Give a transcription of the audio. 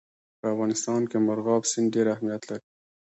په افغانستان کې مورغاب سیند ډېر اهمیت لري.